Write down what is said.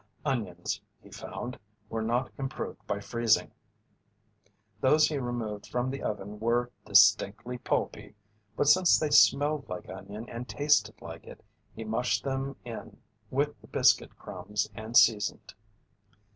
Onions, he found, were not improved by freezing. Those he removed from the oven were distinctly pulpy, but since they smelled like onion and tasted like it, he mushed them in with the biscuit crumbs, and seasoned.